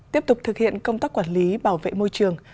tiếp tục thực hiện công tác quản lý bảo vệ môi trường